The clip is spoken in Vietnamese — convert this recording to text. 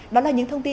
điều ý chính trị